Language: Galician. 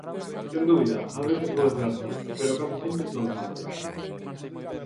Sen dúbida, ás veces pode ser así, pero case sempre só en parte.